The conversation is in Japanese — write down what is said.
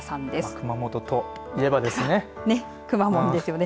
熊本といえばですね。